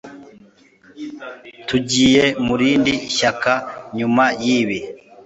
Tugiye mu rindi shyaka nyuma yibi.